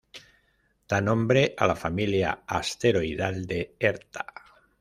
Da nombre a la familia asteroidal de Herta.